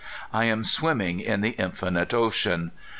I am swimming in the Infinite Ocean.